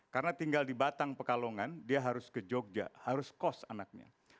karena tinggal di batang pekalongan dia harus ke jogja harus kos anaknya